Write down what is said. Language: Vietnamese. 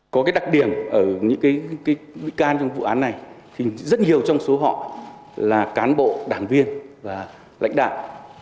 có cái đặc điểm ở những cái bị can trong vụ án này thì rất nhiều trong số họ là cán bộ đảng viên và lãnh đạo